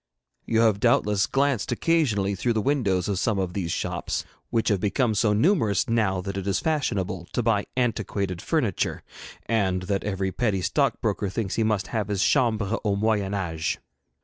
You have doubtless glanced occasionally through the windows of some of these shops, which have become so numerous now that it is fashionable to buy antiquated furniture, and that every petty stockbroker thinks he must have his chambre au moyen âge.